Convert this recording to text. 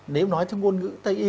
nếu nói theo ngôn ngữ tây y